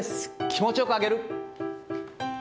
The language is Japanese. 気持ちよく上げる。